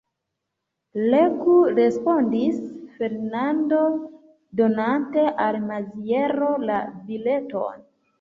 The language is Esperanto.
Legu, respondis Fernando, donante al Maziero la bileton.